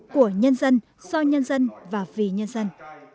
của nhân dân do nhân dân và vì nhân dân